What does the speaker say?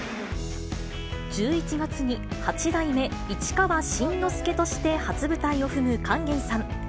１１月に八代目市川新之助として、初舞台を踏む勸玄さん。